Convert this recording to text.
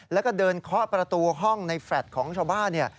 แล้วก็เดินเคาะประตูห้องในแฟลต์ของชาวบ้านเนี่ย